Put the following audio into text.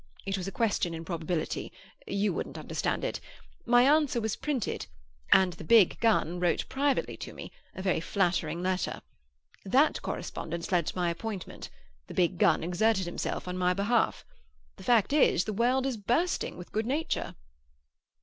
It was a question in Probability—you wouldn't understand it. My answer was printed, and the Big Gun wrote privately to me—a very flattering letter. That correspondence led to my appointment; the Big Gun exerted himself on my behalf. The fact is, the world is bursting with good nature."